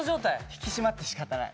引き締まってしかたない。